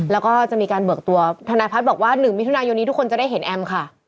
แล้วก็จะมีการเบิกตัวทนายพัฒน์บอกว่า๑มิถุนายนนี้ทุกคนจะได้เห็นแอมค่ะ